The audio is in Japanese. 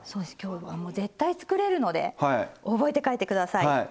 きょうはもう絶対作れるので覚えて帰ってください。